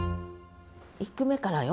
１句目からよ。